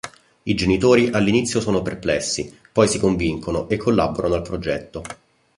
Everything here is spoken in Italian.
I genitori all'inizio sono perplessi, poi si convincono e collaborano al progetto.